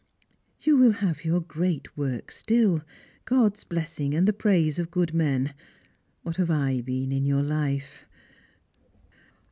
You will have your great work still ; God's blessing, and the praise of good men. What have I been in your life?